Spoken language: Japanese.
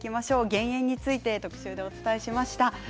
減塩について特集でお伝えしました。